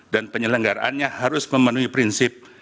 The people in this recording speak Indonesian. dan penyelenggaraannya harus memenuhi prinsip